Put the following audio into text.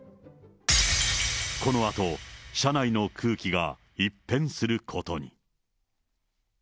このあと、車内の空気が一変することに。